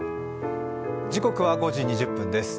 時刻は５時２０分です。